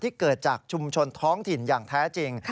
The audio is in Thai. เกิดจากชุมชนท้องถิ่นอย่างแท้จริง